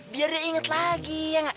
biar dia inget lagi ya gak